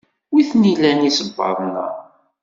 Wi t-nilan isebbaḍen-a?